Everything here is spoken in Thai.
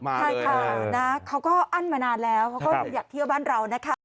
ใช่ค่ะนะเขาก็อั้นมานานแล้วเขาก็อยากเที่ยวบ้านเรานะคะ